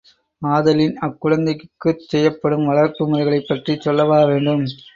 ஆதலின், அக்குழந்தைக்குச் செய்யப்படும் வளர்ப்பு முறைகளைப் பற்றிச் சொல்லவா வேண்டும்?